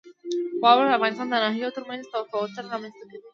واوره د افغانستان د ناحیو ترمنځ تفاوتونه رامنځته کوي.